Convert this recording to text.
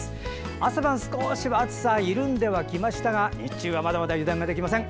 朝晩は、少しは暑さ緩んできましたけど日中はまだまだ油断ができません。